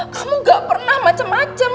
kamu gak pernah macem macem